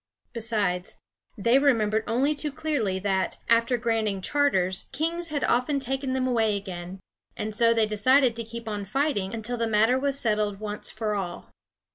Besides, they remembered only too clearly that, after granting charters, kings had often taken them away again, and so they decided to keep on fighting until the matter was settled once for all.